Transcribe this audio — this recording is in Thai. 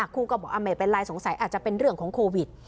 ครูก็บอกไม่เป็นไรสงสัยอาจจะเป็นเรื่องของโควิด